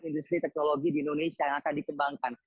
industri teknologi di indonesia yang akan dikembangkan